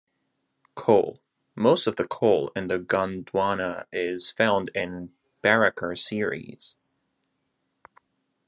Coal: Most of the coal in the Gondwana is found in barakar series.